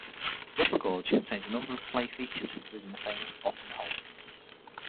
The upper gorge contains a number of play features, including the famous "bottom hole".